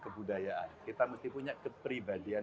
kebudayaan kita mesti punya kepribadian